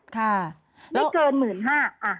ค่ะแล้วไม่เกินหมื่นห้า